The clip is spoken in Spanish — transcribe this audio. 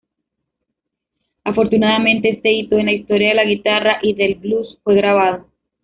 Afortunadamente, este hito en la historia de la guitarra y del blues fue grabado.